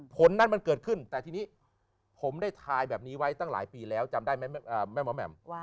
ผลนั้นมันเกิดขึ้นแต่ทีนี้ผมได้ทายแบบนี้ไว้ตั้งหลายปีแล้วจำได้ไหมแม่หมอแหม่ม